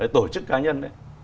tổ chức cá nhân